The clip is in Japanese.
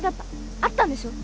会ったんでしょ？